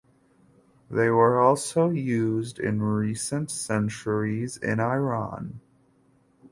They were also used in recent centuries in Iran.